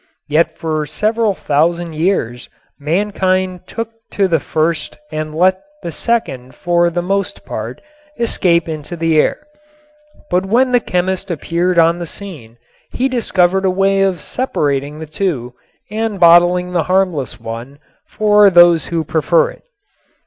Yet for several thousand years mankind took to the first and let the second for the most part escape into the air. But when the chemist appeared on the scene he discovered a way of separating the two and bottling the harmless one for those who prefer it.